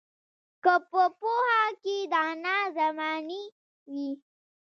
که په پوهه کې دانا د زمانې وي